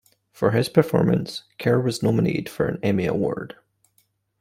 For this performance, Kerr was nominated for an Emmy Award.